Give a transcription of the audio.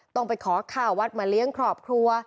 ต้องไปขอข้าววัดมาเลี้ยงครอบครัว